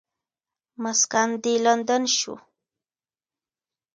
مسکن دې لندن شو.